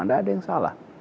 nggak ada yang salah